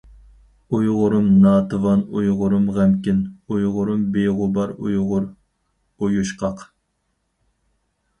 ئۇيغۇرۇم ناتىۋان ئۇيغۇرۇم غەمكىن، ئۇيغۇرۇم بىغۇبار ئۇيغۇر ئۇيۇشقاق.